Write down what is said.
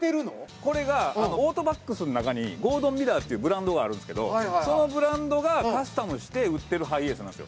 これがオートバックスの中にゴードンミラーっていうブランドがあるんですけどそのブランドがカスタムして売ってるハイエースなんですよ。